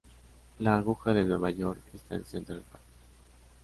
La aguja de Nueva York está en Central Park.